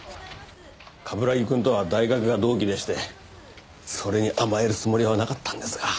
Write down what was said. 冠城くんとは大学が同期でしてそれに甘えるつもりはなかったんですが。